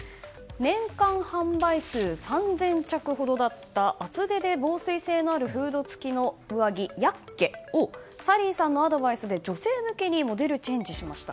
年間販売数３０００着ほどだった厚手で防水性のあるフード付きの上着ヤッケをサリーさんのアドバイスで女性向けにモデルチェンジしました。